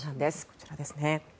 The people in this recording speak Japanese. こちらですね。